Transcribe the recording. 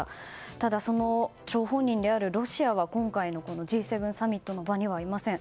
ただ、張本人であるロシアは今回のＧ７サミットの場にはいません。